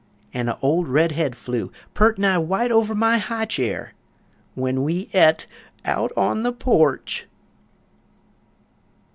An' a' old red head flew Purt' nigh wite over my high chair, When we et on the porch!